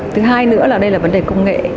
thứ hai nữa là đây là vấn đề công nghệ